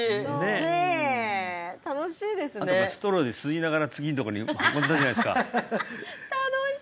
あとストローで吸いながら次のとこに運んだじゃないですか楽しい！